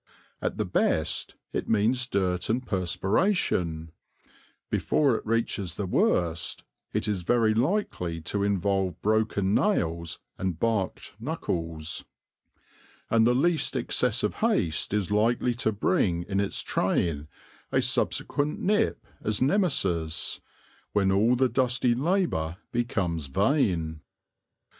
At the best it means dirt and perspiration; before it reaches the worst it is very likely to involve broken nails and barked knuckles; and the least excess of haste is likely to bring in its train a subsequent nip as Nemesis, when all the dusty labour becomes vain.